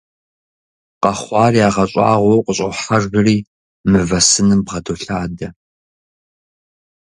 Къэхъуар ягъэщӏагъуэу къыщӏохьэжри мывэ сыным бгъэдолъадэ.